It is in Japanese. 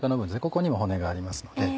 ここにも骨がありますので。